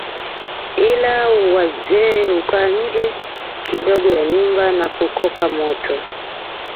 Ila wazee hukaa nje kidogo ya nyumba na kukoka moto